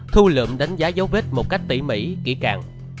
thu lượm đánh giá dấu vết một cách tỉ mỉ kỹ càng